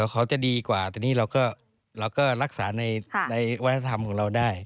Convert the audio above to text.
เขาจะดีกว่าแต่นี่เราก็รักษาในวัฒนธรรมของเราได้